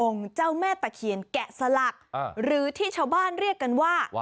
เจ้าแม่ตะเคียนแกะสลักหรือที่ชาวบ้านเรียกกันว่า